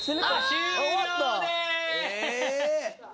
終了でーす！